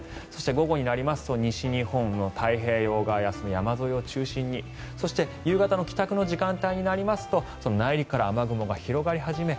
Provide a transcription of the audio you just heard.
午後になりますと西日本の太平洋側やその山沿いを中心にそして、夕方の帰宅時間になりますと内陸から雨雲が広がり始め